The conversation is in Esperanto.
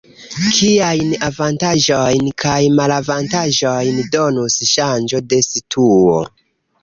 Kiajn avantaĝojn kaj malavantaĝojn donus ŝanĝo de situo?